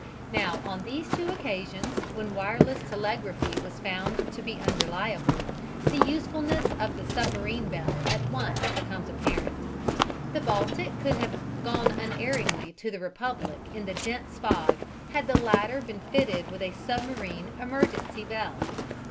Now on these two occasions when wireless telegraphy was found to be unreliable, the usefulness of the submarine bell at once becomes apparent. The Baltic could have gone unerringly to the Republic in the dense fog had the latter been fitted with a submarine emergency bell.